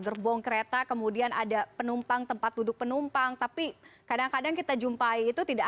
gerbong kereta kemudian ada penumpang tempat duduk penumpang tapi kadang kadang kita jumpai itu tidak